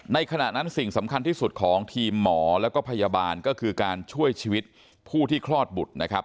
ขณะนั้นสิ่งสำคัญที่สุดของทีมหมอแล้วก็พยาบาลก็คือการช่วยชีวิตผู้ที่คลอดบุตรนะครับ